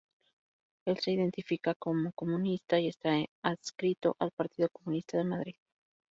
Él se identifica como comunista y esta adscrito al Partido Comunista de Madrid.